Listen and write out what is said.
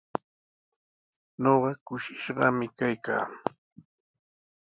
Ñuqa kushishqami kaykaa.